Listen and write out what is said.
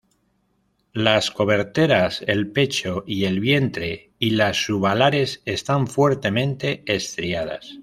Las coberteras, el pecho y el vientre y las subalares están fuertemente estriadas.